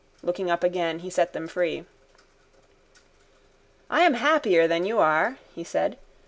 Looking up again he set them free. —I am happier than you are, he said.